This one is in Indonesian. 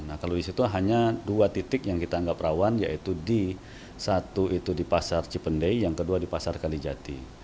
nah kalau di situ hanya dua titik yang kita anggap rawan yaitu di satu itu di pasar cipendei yang kedua di pasar kalijati